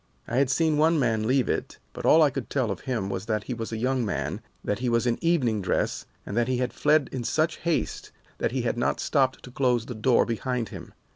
I had seen one man leave it; but all I could tell of him was that he was a young man, that he was in evening dress, and that he had fled in such haste that he had not stopped to close the door behind him.